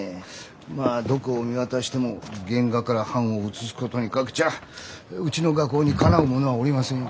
まあどこを見渡しても原画から版を写すことにかけちゃあうちの画工にかなうものはおりませんよ。